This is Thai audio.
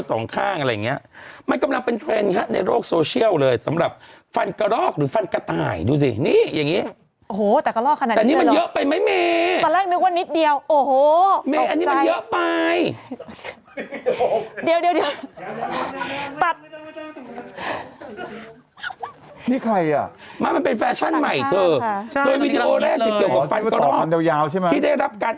ไทยอะมันเป็นแฟชั่นใหม่คือข้อมูลข้อมูลเลขเกี่ยวกับฟันกระรอกที่ได้รับการ